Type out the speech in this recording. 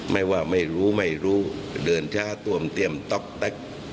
ไม่ว่าไม่รู้ไม่รู้เดินช้าตวมเตรียมต๊อกแต๊ก